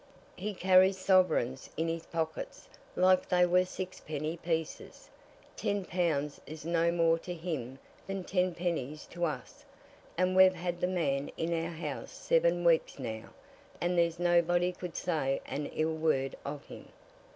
He carries sovereigns in his pockets like they were sixpenny pieces! Ten pounds is no more to him that ten pennies to us. And we've had the man in our house seven weeks now, and there's nobody could say an ill word of him."